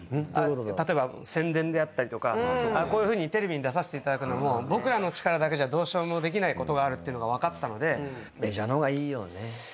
例えば宣伝であったりとかこういうふうにテレビに出させていただくのも僕らの力だけじゃどうしようもできないことがあるっていうのが分かったので。